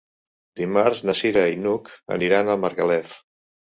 Dimarts na Cira i n'Hug aniran a Margalef.